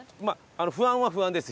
不安は不安です